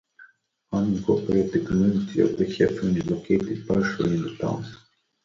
The unincorporated community of Heffron is located partially in the town.